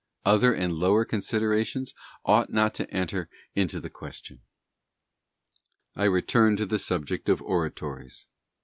Other and lower considerations ought not to enter into the question. , I return to the subject of Oratories.